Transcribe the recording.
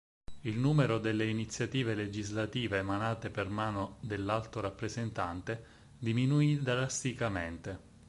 Il numero delle iniziative legislative emanate per mano dell'alto rappresentante diminuì drasticamente.